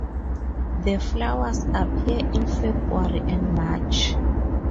The flowers appear in February and March.